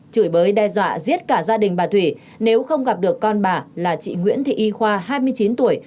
chửi bới đe dọa giết cả gia đình bà thủy nếu không gặp được con bà là chị nguyễn thị y khoa hai mươi chín tuổi